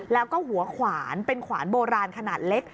แล้วก็หัวขวานเป็นขวานโบราณขนาดเล็ก